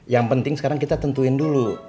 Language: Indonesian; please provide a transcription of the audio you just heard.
yang penting sekarang kita tentuin dulu